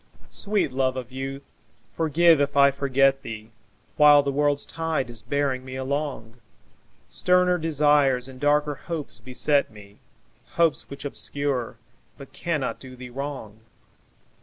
Sweet love of youth, forgive if I forget thee While the world's tide is bearing me along; Sterner desires and darker hopes beset me, Hopes which obscure but cannot do thee wrong.